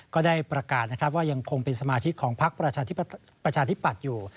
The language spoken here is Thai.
ก็ได้ประกาศนะครับว่ายังคงเป็นสมาชิกของพักประชาธิปัตย์อยู่